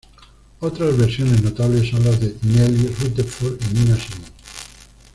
Otras versiones notables son las de Nellie Rutherford y Nina Simone.